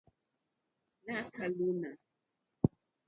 Láká lúǃúná.